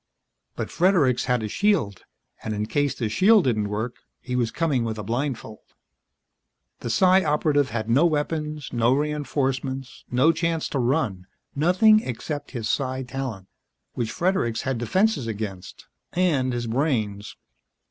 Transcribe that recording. But Fredericks had a shield. And in case the shield didn't work, he was coming with a blindfold. The Psi Operative had no weapons, no reinforcements, no chance to run nothing except his psi talent, which Fredericks had defenses against, and his brains.